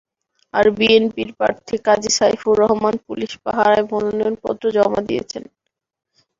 আর বিএনপির প্রার্থী কাজী সাইফুর রহমান পুলিশ পাহারায় মনোনয়নপত্র জমা দিয়েছেন।